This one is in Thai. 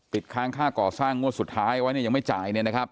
ค้างค่าก่อสร้างงวดสุดท้ายไว้เนี่ยยังไม่จ่าย